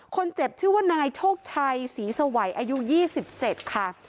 คนเจ็บชื่อว่านายโชคชัยศรีสวัยอายุ๒๗ค่ะ